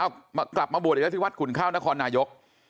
เอากลับมาบวชอีกแล้วที่วัดขุนข้าวนครนายก